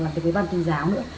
làm việc với bàn tư giáo nữa